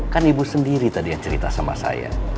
kan ibu sendiri tadi yang cerita sama saya